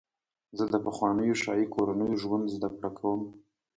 زه د پخوانیو شاهي کورنیو ژوند زدهکړه کوم.